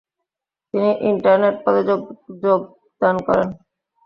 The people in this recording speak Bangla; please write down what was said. তিনি ইন্টার্নের পদে যোগদান করেন।